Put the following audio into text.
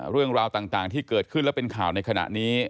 เรื่องราวต่างที่เกิดขึ้นและเป็นข่าวในขณะนี้